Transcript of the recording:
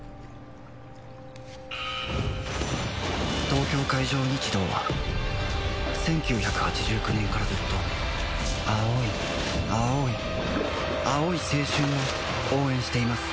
東京海上日動は１９８９年からずっと青い青い青い青春を応援しています